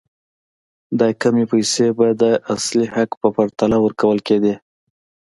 دا کمې پیسې به د اصلي حق په پرتله ورکول کېدې.